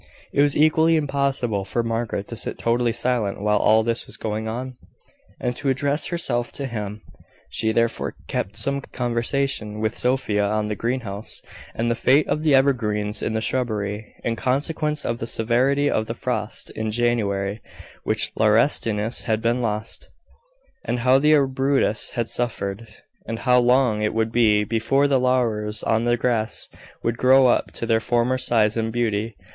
It was equally impossible for Margaret to sit totally silent while all this was going on, and to address herself to him: she therefore kept some conversation with Sophia on the greenhouse, and the fate of the evergreens in the shrubbery, in consequence of the severity of the frost in January which laurestinus had been lost, and how the arbutus had suffered, and how long it would be before the laurels on the grass could grow up to their former size and beauty.